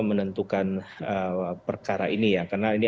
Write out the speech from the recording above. menentukan perkara ini ya karena ini